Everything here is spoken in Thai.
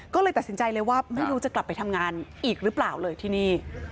ก็เลยตัดสินใจเลยว่าไม่รู้จะกลับไปทำงานอีกหรือเปล่าเลยที่นี่